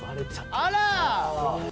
あら！